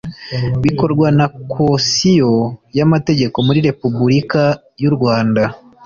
bikorwa na coisiyo y amategeko muri repubulika y u rwanda